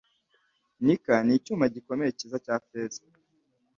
Nickel nicyuma gikomeye, cyiza cya feza.